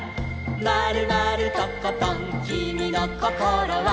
「まるまるとことんきみのこころは」